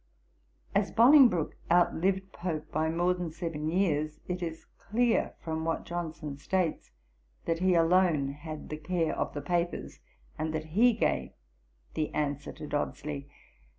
As Bolingbroke outlived Pope by more than seven years, it is clear, from what Johnson states, that he alone had the care of the papers, and that he gave the answer to Dodsley.